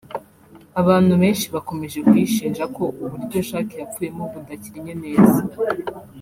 abantu benshi bakomeje kuyishinja ko uburyo Jack yapfuyemo budakinnye neza